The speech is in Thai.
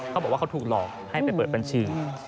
เขาบอกว่าเขาถูกหลอกให้ไปเปิดบัญชี